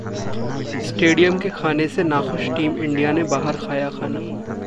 stadium के खाने से नाखुश टीम इंडिया ने बाहर खाया खाना